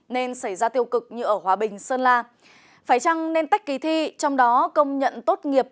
nên xảy ra tiêu cực như ở hòa bình sơn la phải chăng nên tách kỳ thi trong đó công nhận tốt nghiệp